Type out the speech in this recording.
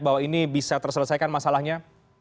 bahwa ini bisa terselesaikan masalahnya